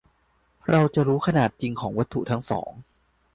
- เราจะรู้ขนาดจริงของวัตถุทั้งสอง